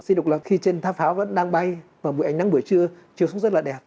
xin đục lập khi trên tháp pháo vẫn đang bay và mùi ảnh nắng buổi trưa chiều xuống rất là đẹp